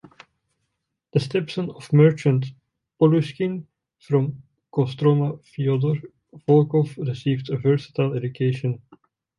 The stepson of merchant Polushkin from Kostroma, Fyodor Volkov received a versatile education.